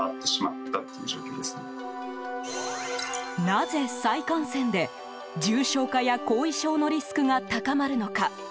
なぜ再感染で、重症化や後遺症のリスクが高まるのか。